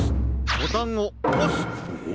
ボタンをおす。